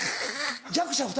弱者２人。